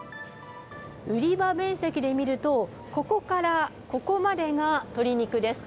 売り場面積で見るとここからここまでが鶏肉です。